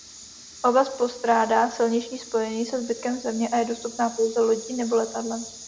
Oblast postrádá silniční spojení se zbytkem země a je dostupná pouze lodí nebo letadlem.